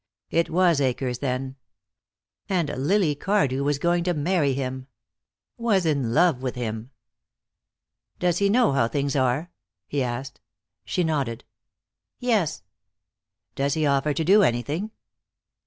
It was Akers, then. And Lily Cardew was going to marry him. Was in love with him. "Does he know how things are?" he asked. She nodded. "Yes." "Does he offer to do anything?"